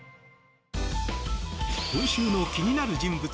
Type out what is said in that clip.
今週の気になる人物